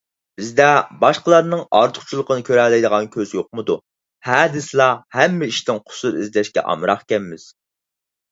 بىزدە باشقىلارنىڭ ئارتۇقچىلىقىنى كۆرەلەيدىغان كۆز يوقمىدۇ؟ ھە دېسىلا ھەممە ئىشتىن قۇسۇر ئىزدەشكە ئامراقكەنمىز.